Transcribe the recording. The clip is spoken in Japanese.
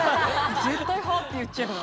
絶対「はあ？」って言っちゃうよな。